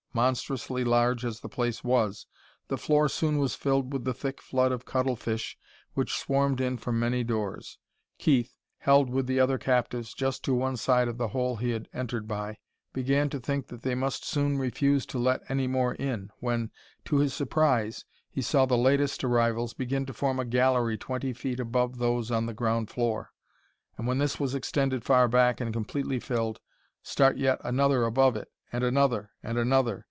Monstrously large as the place was, the floor soon was filled with the thick flood of cuttlefish which swarmed in from many doors. Keith, held with the other captives just to one side of the hole he had entered by, began to think that they must soon refuse to let any more in when, to his surprise, he saw the latest arrivals begin to form a gallery twenty feet above those on the ground floor, and, when this was extended far back and completely filled, start yet another above it and another, and another....